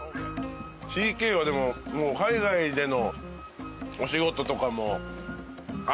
ＣＫはでももう海外でのお仕事とかもあるでしょ？